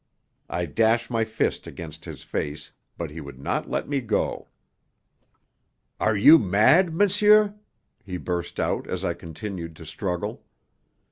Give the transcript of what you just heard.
I dash my fists against his face, but he would not let me go. "Are you mad, monsieur?" he burst out as I continued to struggle.